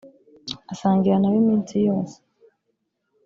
asangira na we iminsi yose.